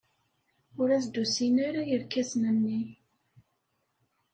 Ur as-d-usin ara yirkasen-nni.